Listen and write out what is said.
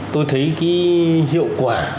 tôi thấy cái hiệu quả